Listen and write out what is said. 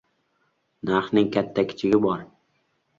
Narhning katta kichigi bor.